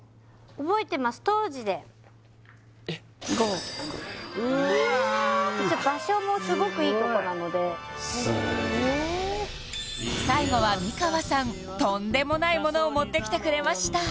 覚えてますうわ場所もすごくいい所なのですごい最後は美川さんとんでもないものを持ってきてくれました